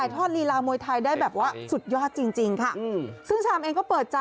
ไถทอดลีลามวยไทยได้แบบว่าสุดยอดจริงสิค่ะ